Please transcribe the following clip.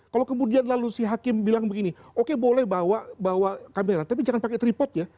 kalau kemudian lalu si hakim bilang begini oke boleh bawa kamera tapi jangan pakai tripod ya